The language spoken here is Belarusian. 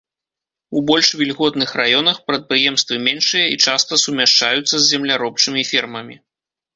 У больш вільготных раёнах прадпрыемствы меншыя і часта сумяшчаюцца з земляробчымі фермамі.